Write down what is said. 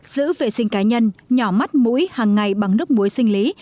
giữ vệ sinh cá nhân nhỏ mắt mũi hàng ngày bằng nước muối sinh lý